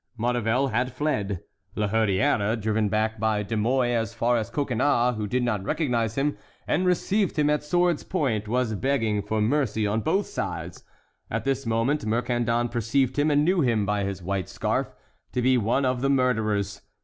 Maurevel had fled. La Hurière, driven back by De Mouy as far as Coconnas, who did not recognize him, and received him at sword's point, was begging for mercy on both sides. At this moment Mercandon perceived him, and knew him, by his white scarf, to be one of the murderers.